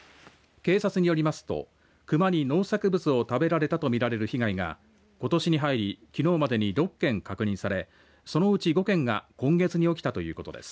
警察によりますとクマに農作物を食べられたとみられる被害がことしに入りきのうまでに６件確認されそのうち５件が今月に起きたということです。